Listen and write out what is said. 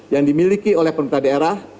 yang dimiliki oleh pemerintah daerah